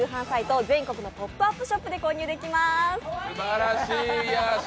全国のポップアップショップで購入できます。